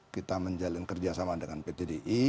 kita menjalin kerjasama dengan pt di